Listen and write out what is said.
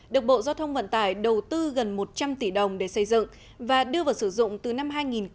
được bộ giao thông vận tải đầu tư gần một trăm linh tỷ đồng để xây dựng và đưa vào sử dụng từ năm hai nghìn một mươi